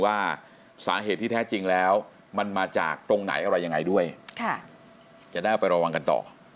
ว่าสาเหตุที่แท้จริงแล้วมันมาจากตรงไหนอะไรยังไงด้วยจะได้เอาไประวังกันต่อ